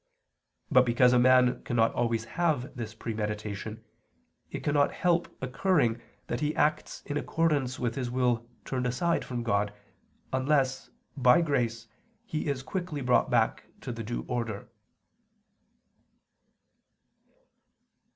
But because a man cannot always have this premeditation, it cannot help occurring that he acts in accordance with his will turned aside from God, unless, by grace, he is quickly brought back to the due order.